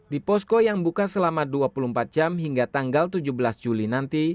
di posko yang buka selama dua puluh empat jam hingga tanggal tujuh belas juli nanti